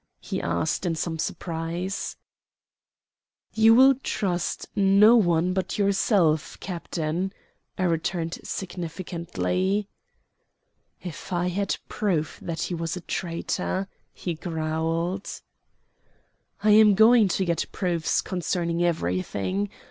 he asked in some surprise. "You will trust no one but yourself, captain," I returned significantly. "If I had proof that he was a traitor!" he growled. "I am going to get proofs concerning everything.